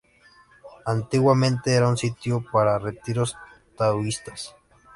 Antiguamente, era un sitio para retiros taoístas.